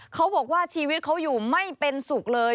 เขาบอกว่าชีวิตเขาอยู่ไม่เป็นสุขเลย